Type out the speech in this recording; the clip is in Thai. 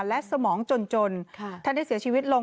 และสมองจนท่านได้เสียชีวิตลง